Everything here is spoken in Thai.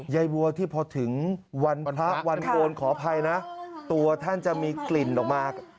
ยายบัวที่พอถึงวันโพธิ์ขออภัยนะกลิ่นตัวท่านจะมีเกลิ่นมาก